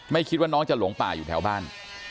คิดว่าน้องจะหลงป่าอยู่แถวบ้าน